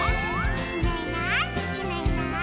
「いないいないいないいない」